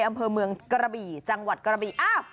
อำเภอเมืองกระบี่จังหวัดกระบีอ้าว